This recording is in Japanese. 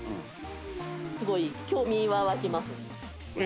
すごい興味は湧きますね。